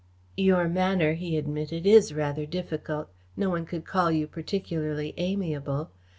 "Your manner," he admitted, "is rather difficult. No one could call you particularly amiable.